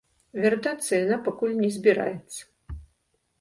Вяртацца яна пакуль не збіраецца.